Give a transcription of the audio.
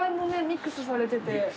ミックスされてて。